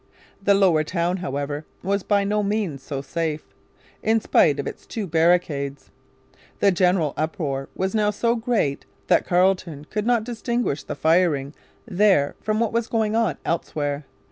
The Lower Town, however, was by no means so safe, in spite of its two barricades. The general uproar was now so great that Carleton could not distinguish the firing there from what was going on elsewhere.